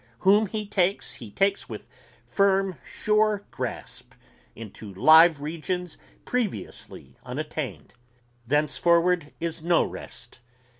Whom he takes he takes with firm sure grasp into live regions previously unattained ... thenceforward is no rest